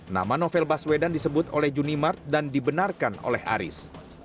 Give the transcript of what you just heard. nama novel baswedan disebut oleh juni mart dan dibenarkan oleh aris